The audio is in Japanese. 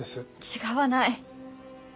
違わない！